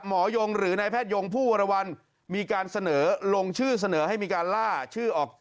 ยงหรือนายแพทยงผู้วรวรรณมีการเสนอลงชื่อเสนอให้มีการล่าชื่อออก